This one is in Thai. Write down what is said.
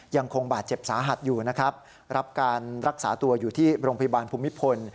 ยังคงบาดเจ็บสาหัสอยู่นะครับรับการรักษาตัวอยู่ที่โรงพยาบาลภูมิพล